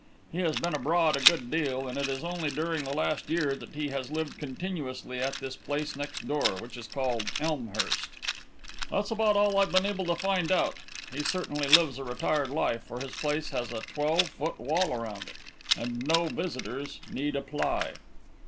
He has been abroad a good deal, and it is only during the last year that he has lived continuously at this place next door, which is called Elmhurst. That's about all I've been able to find out. He certainly lives a retired life, for his place has a twelve foot wall around it, and no visitors need apply."